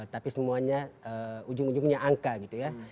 tapi semuanya ujung ujungnya angka gitu ya